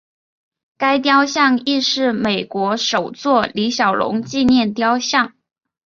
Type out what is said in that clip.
该雕像亦是美国首座李小龙纪念雕像。